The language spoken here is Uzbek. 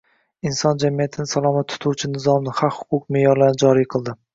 insonlar jamiyatini salomat tutuvchi nizomni – haq-huquq me’yorlarini joriy qildi.